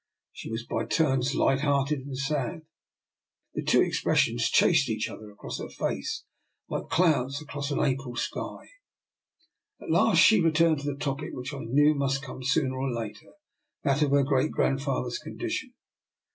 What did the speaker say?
She was by turns light hearted and sad; the two expressions chased each other across her face like clouds across an April sky. At last she returned to the topic which I knew must come sooner or later — that of her great grandfather's condition.